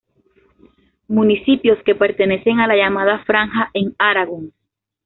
Municipios que pertenecen a la llamada "franja" en Aragón.